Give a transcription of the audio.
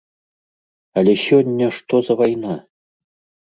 Але сёння што за вайна?!